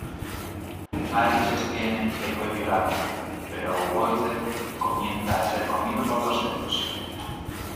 Marie sostiene que fue violada, pero Woyzeck comienza a ser comido por los celos.